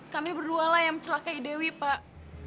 kami berdualah yang mencelakai dewi pak